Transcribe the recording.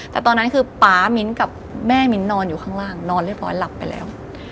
แต่ตอนนั้นคือป๊ามิ้นกับแม่มิ้นนอนอยู่ข้างล่างนอนเรียบร้อยหลับไปแล้ว